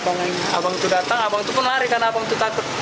abang itu datang abang itu pun lari karena abang itu takut